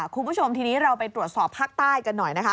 คุณผู้ชมทีนี้เราไปตรวจสอบภาคใต้กันหน่อยนะคะ